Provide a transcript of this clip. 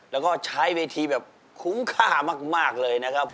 แล้วก็ใช้เวทีแบบคุ้มค่ามากเลยนะครับ